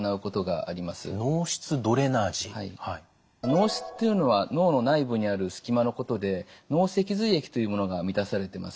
脳室というのは脳の内部にある隙間のことで脳脊髄液というものが満たされてます。